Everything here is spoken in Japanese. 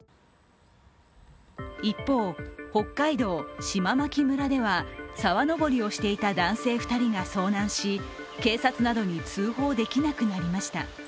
一方、北海道島牧村では沢登りをしていた男性２人が遭難し警察などに通報できなくなりました。